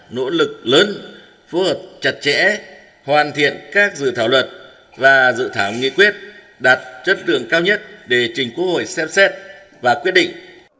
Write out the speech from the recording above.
nỗ lực lớn phù hợp chặt chẽ hoàn thiện các dự thảo luật và dự thảo nghị quyết đạt chất lượng cao nhất để trình quốc hội xem xét và quyết định